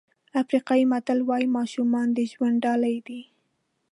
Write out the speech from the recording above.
افریقایي متل وایي ماشومان د ژوند ډالۍ دي.